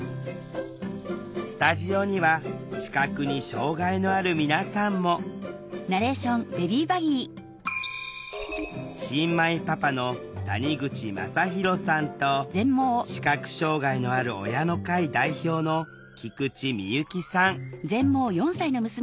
スタジオには視覚に障害のある皆さんも新米パパの谷口真大さんと視覚障害のある親の会代表の菊地美由紀さん